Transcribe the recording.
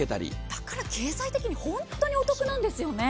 だから経済的に本当にお得なんですよね。